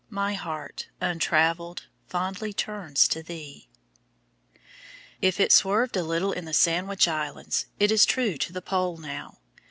My heart, untraveled, fondly turns to thee. If it swerved a little in the Sandwich Islands, it is true to the Pole now!